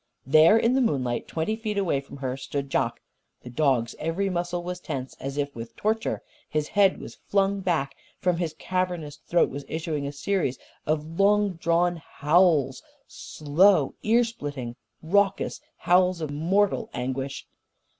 There in the moonlight twenty feet away from her stood Jock. The dog's every muscle was tense, as if with torture. His head was flung back. From his cavernous throat was issuing a series of long drawn howls, slow, earsplitting, raucous, howls of mortal anguish.